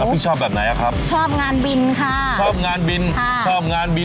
พี่ชอบแบบไหนครับชอบงานบินค่ะแม่ป่ะ